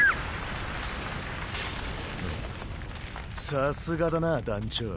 さすがだな団ちょ。